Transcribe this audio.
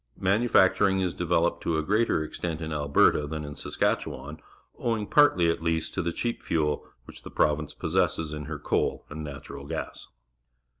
Manufacturing is developed to a greater ex tent in Alberta than in Saskatchewan, owing, partly at least, to the cheap fuel which the province possesses in her coal and natural gas.